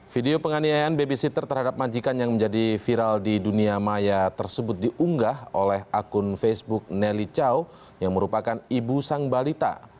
video penganiayaan babysitter terhadap majikan yang menjadi viral di dunia maya tersebut diunggah oleh akun facebook nelly chao yang merupakan ibu sang balita